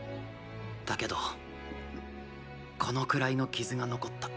だけどこのくらいの傷が残った。